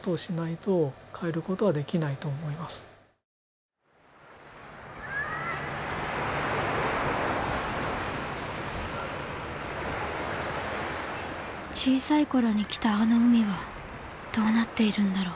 心の声小さい頃に来たあの海はどうなっているんだろう？